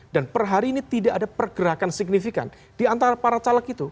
dan per hari ini tidak ada pergerakan signifikan di antara para caleg itu